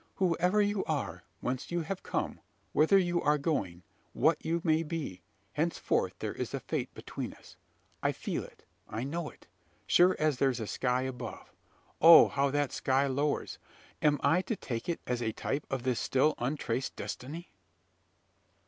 "Whoever you are whence you have come whither you are going what you may be Henceforth there is a fate between us! I feel it I know it sure as there's a sky above! Oh! how that sky lowers! Am I to take it as a type of this still untraced destiny?"